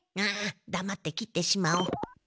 ああだまって切ってしまおう。